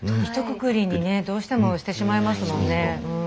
ひとくくりにねどうしてもしてしまいますもんね。